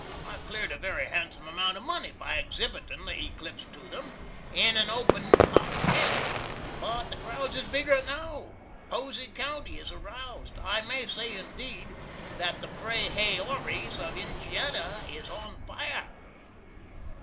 I cleared a very handsome amount of money by exhibitin' the Eclipse to 'em, in an open top tent. But the crowds is bigger now. Posey County is aroused. I may say, indeed, that the pra hay ories of Injianny is on fire.